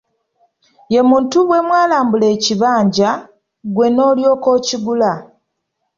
Ye muntu bwe mwalambula ekibanja ggwe n'olyoka okigula.